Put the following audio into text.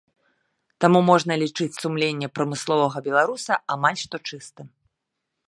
Таму можна лічыць сумленне прамысловага беларуса амаль што чыстым.